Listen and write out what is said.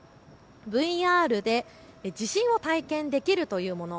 ＶＲで地震を体験できるというもの。